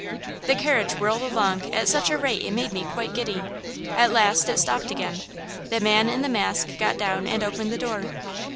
The carriage whirled along at such a rate it made me quite giddy. At last it stopped again. The man in the mask got down and opened the door.